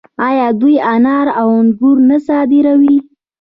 آیا دوی انار او انګور نه صادروي؟